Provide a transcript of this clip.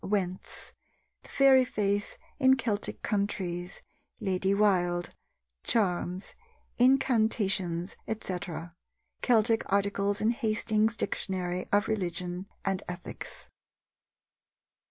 Wentz: The Fairy Faith in Celtic Countries; Lady Wilde: Charms, Incantations, etc.; Celtic articles in Hastings' Dictionary of Religion and Ethics.